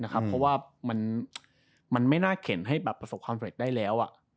เพราะว่ามันไม่น่าเข็นให้ประสบความเร็จได้แล้ว